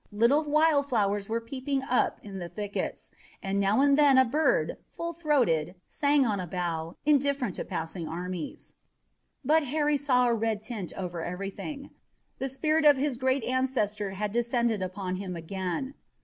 Little wild flowers were peeping up in the thickets, and now and then a bird, full throated, sang on a bough, indifferent to passing armies. But Harry saw a red tint over everything. The spirit of his great ancestor had descended upon him again.